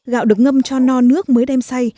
gạo được ngâm cho no nước mới đem xay